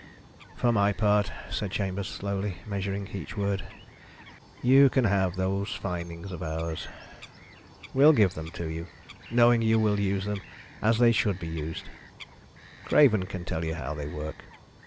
"For my part," said Chambers, slowly, measuring each word, "you can have those findings of ours. We'll give them to you, knowing you will use them as they should be used. Craven can tell you how they work.